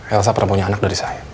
elsa pernah punya anak dari saya